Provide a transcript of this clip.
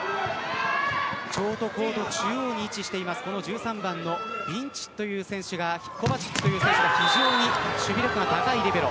コート中央に位置している１３番のコバチッチという選手が非常に守備力の高いリベロ。